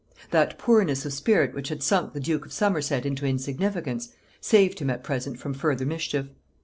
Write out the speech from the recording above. That poorness of spirit which had sunk the duke of Somerset into insignificance, saved him at present from further mischief.